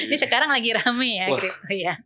ini sekarang lagi rame ya crypto ya